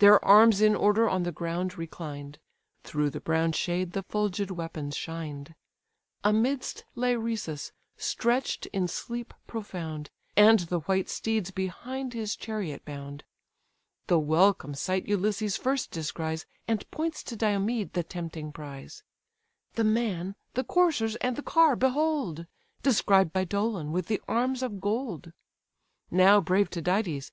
Their arms in order on the ground reclined, Through the brown shade the fulgid weapons shined: Amidst lay Rhesus, stretch'd in sleep profound, And the white steeds behind his chariot bound. The welcome sight Ulysses first descries, And points to Diomed the tempting prize. "The man, the coursers, and the car behold! Described by Dolon, with the arms of gold. Now, brave Tydides!